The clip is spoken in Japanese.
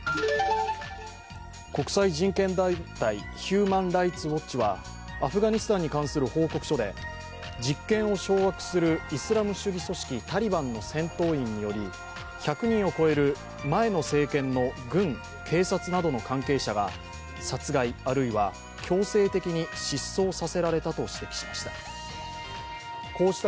国際人権団体、ヒューマン・ライツ・ウォッチはアフガニスタンに関する報告書で実験を掌握するイスラム主義組織タリバンの戦闘員により１００人を超える前の政権の軍、警察などの関係者が殺害あるいは、強制的に失踪させられたと指摘しました。